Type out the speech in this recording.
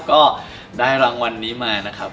ก็ได้รางวัลนี้มานะครับ